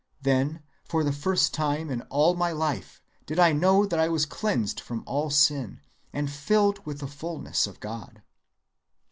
Then, for the first time in all my life, did I know that I was cleansed from all sin, and filled with the fullness of God."